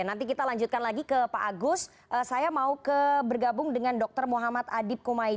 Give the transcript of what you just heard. nanti kita lanjutkan lagi ke pak agus saya mau bergabung dengan dr muhammad adib kumaydi